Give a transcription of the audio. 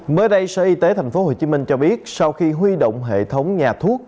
mới đây sở y tế tp hcm cho biết sau khi huy động hệ thống nhà thuốc